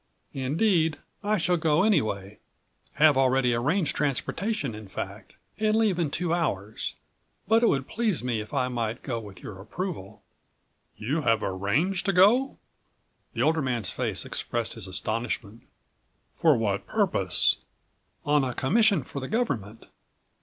Indeed, I shall go anyway; have already arranged transportation, in fact, and leave in two hours; but it would please me if I might go with your approval." "You have arranged to go?" The older man's face expressed his astonishment. "For what purpose?" "On a commission for the government."